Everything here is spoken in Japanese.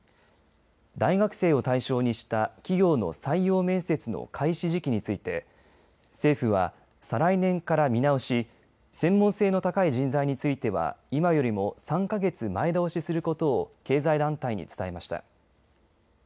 大学生を対象にした企業の採用面接の開始時期について政府は、再来年から見直し専門性の高い人材については今よりも３か月前倒しすることを経済団体に伝えました。